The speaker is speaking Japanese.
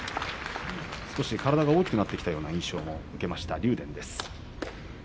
少し体が大きくなってきた印象も受けました、竜電です。